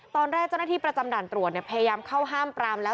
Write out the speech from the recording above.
เจ้าหน้าที่ประจำด่านตรวจพยายามเข้าห้ามปรามแล้ว